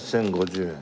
１０５０円。